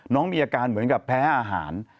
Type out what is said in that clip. น้องมีอาการเหมือนกับแพ้อาหาร